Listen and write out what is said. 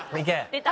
出た。